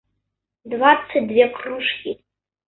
двадцать две кружки